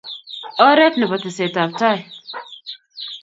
oret nebo tesei tab tai